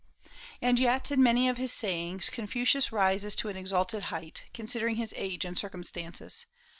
And yet in many of his sayings Confucius rises to an exalted height, considering his age and circumstances.